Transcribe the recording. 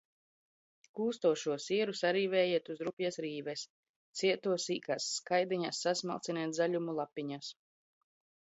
Kūstošo sieru sarīvējiet uz rupjas rīves, cieto – sīkās skaidiņās, sasmalciniet zaļumu lapiņas.